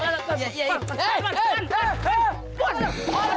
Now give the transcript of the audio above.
deser bangkerok loh